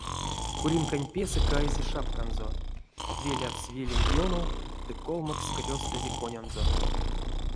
Куринканть песэ каизе шапканзо, велявтсь веленть ёнов ды колмоксть крёстызе конянзо.